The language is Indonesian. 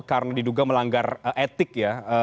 karena diduga melanggar etik ya